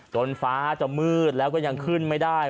ฟ้าจะมืดแล้วก็ยังขึ้นไม่ได้